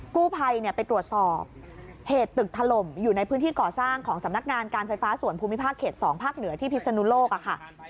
กู้ภัยไปตรวจสอบเหตุตึกถล่มอยู่ในพื้นที่ก่อสร้างของสำนักงานการไฟฟ้าส่วนภูมิภาคเขต๒ภาคเหนือที่พิศนุโลกค่ะ